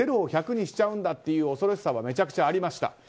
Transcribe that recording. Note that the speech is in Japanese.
０を１００にしちゃうんだっていう恐ろしさはめちゃくちゃありました。